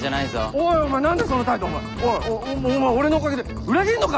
おいお前俺のおかげで裏切んのか！？